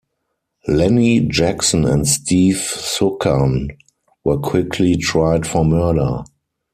Lennie Jackson and Steve Suchan were quickly tried for murder.